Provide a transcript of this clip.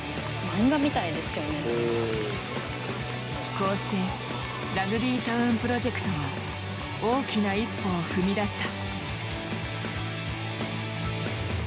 こうしてラグビータウンプロジェクトは大きな一歩を踏み出した。